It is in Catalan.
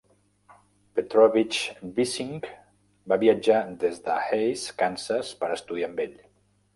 Petrowitsch Bissing va viatjar des de Hays, Kansas, per estudiar amb ell.